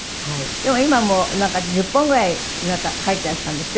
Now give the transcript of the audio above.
でも今もなんか１０本ぐらい書いていらっしゃるんですって？